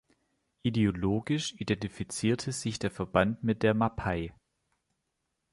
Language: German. Ideologisch identifizierte sich der Verband mit der Mapai.